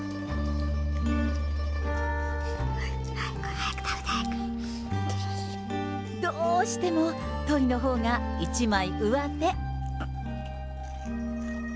早く食べて、どうしても、トイのほうが一枚上手。